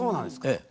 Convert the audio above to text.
ええ。